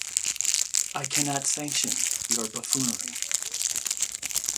I cannot sanction your buffoonery.